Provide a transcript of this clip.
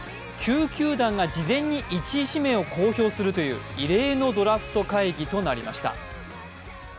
９球団が事前に１位指名を公表するという、異例のドラフト会議となりました。